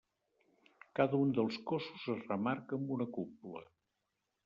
Cada un dels cossos es remarca amb una cúpula.